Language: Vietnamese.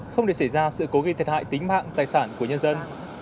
không để xảy ra sự cố gây thiệt hại tính mạng tài sản của nhân dân